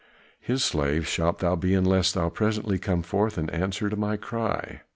His slave shalt thou be unless thou presently come forth in answer to my cry."